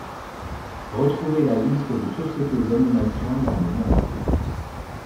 Retrouvée la liste de sociétés d'animation dans le monde.